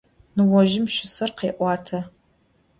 Nıozjım pşşıser khê'uate.